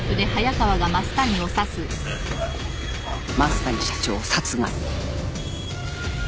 増谷社長を殺害。